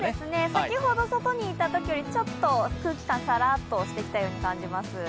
先ほど外にいたときよりちょっと空気感さらっとしてきたように感じます。